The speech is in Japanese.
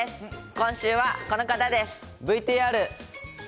今週はこの方です。